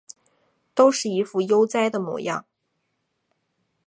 都是一副悠哉的模样